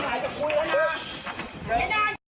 เข้าไปข้างหลังแล้ว